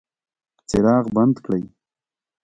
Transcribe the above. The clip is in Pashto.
څراغ بند کړئ